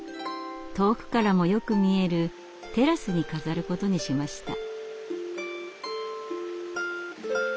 遠くからもよく見えるテラスに飾ることにしました。